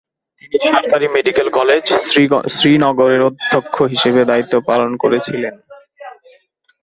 তিনি সরকারি medical college, শ্রীনগরের অধ্যক্ষ হিসেবে দায়িত্ব পালন করেছিলেন।